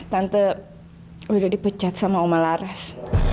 tante udah dipecat sama oma laras